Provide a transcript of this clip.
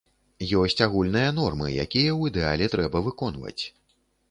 Ёсць агульныя нормы, якія ў ідэале трэба выконваць.